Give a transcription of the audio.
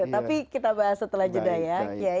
tapi kita bahas setelah jeda ya